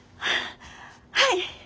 はい！